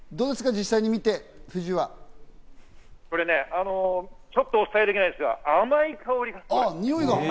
実際これね、ちょっとお伝えできないですが、甘い香り。